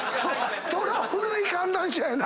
そら古い観覧車やな！